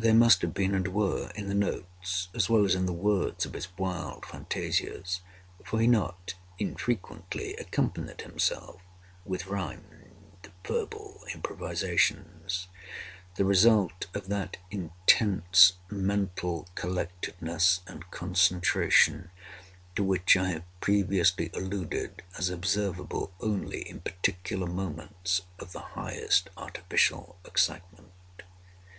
They must have been, and were, in the notes, as well as in the words of his wild fantasias (for he not unfrequently accompanied himself with rhymed verbal improvisations), the result of that intense mental collectedness and concentration to which I have previously alluded as observable only in particular moments of the highest artificial excitement.